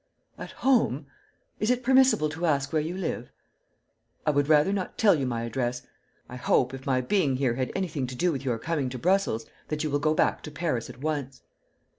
"At home! Is it permissible to ask where you live?" "I would rather not tell you my address. I hope, if my being here had anything to do with your coming to Brussels, that you will go back to Paris at once."